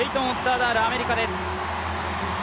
ダール、アメリカです。